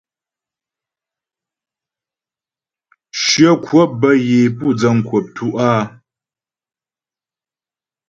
Shyə kwəp bə́ yə é pú dzəŋ kwəp tú' áa.